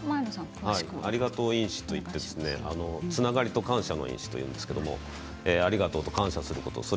ありがとう因子と言ってつながりと感謝の因子というんですがありがとうと感謝すること。